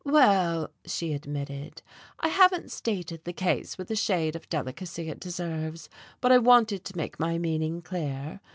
"Well," she admitted, "I haven't stated the case with the shade of delicacy it deserves, but I wanted to make my meaning clear.